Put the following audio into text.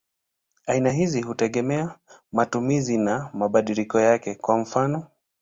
Aina hizi hutegemea matumizi na mabadiliko yake; kwa mfano.